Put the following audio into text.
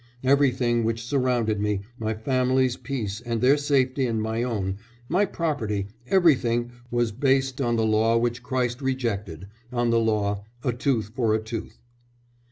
"Everything which surrounded me, my family's peace and their safety and my own, my property, everything was based on the law which Christ rejected, on the law, 'A tooth for a tooth.'"